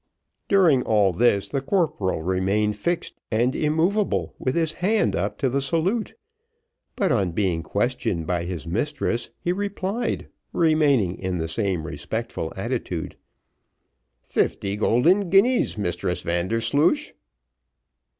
During all this the corporal remained fixed and immovable with his hand up to the salute; but on being questioned by his mistress, he replied, remaining in the same respectful attitude. "Fifty golden guineas, Mistress Vandersloosh."